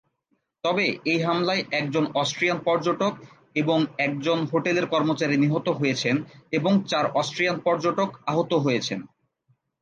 তবে এই হামলায় একজন অস্ট্রিয়ান পর্যটক এবং একজন হোটেলের কর্মচারী নিহত হয়েছেন এবং চার অস্ট্রিয়ান পর্যটক আহত হয়েছেন।